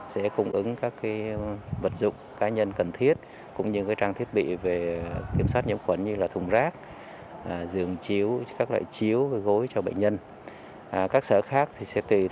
sẽ hỗ trợ tối đa cho bệnh viện